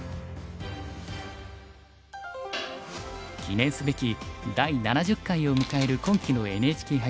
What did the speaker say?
記念すべき第７０回を迎える今期のＮＨＫ杯戦。